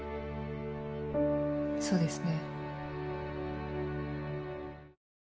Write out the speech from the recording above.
そうですね。